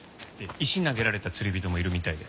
石投げられた釣り人もいるみたいで。